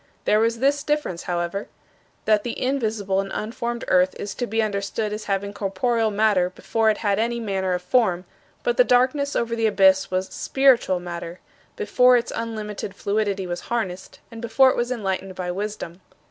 There was this difference, however: that the invisible and unformed earth is to be understood as having corporeal matter before it had any manner of form; but the darkness over the abyss was spiritual matter, before its unlimited fluidity was harnessed, and before it was enlightened by Wisdom."